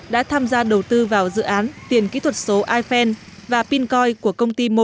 đã tham gia đầu tư vào dự án tiền kỹ thuật số yfan và pincoin của công ty modemtech